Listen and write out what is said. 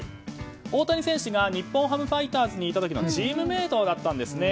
大谷選手が日本ハムファイターズにいた時のチームメートだったんですね。